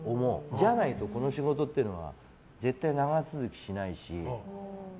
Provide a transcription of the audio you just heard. じゃないとこの仕事っていうのは絶対長続きしないし。